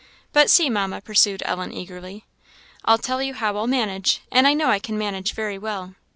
"But see, Mamma," pursued Ellen, eagerly, "I'll tell you how I'll manage, and I know I can manage very well.